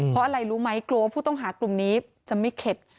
เพราะอะไรรู้ไหมกลัวว่าผู้ต้องหากลุ่มนี้จะไม่เข็ด